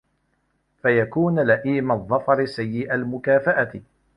فَيَكُونَ لَئِيمَ الظَّفَرِ سِيءَ الْمُكَافَأَةِ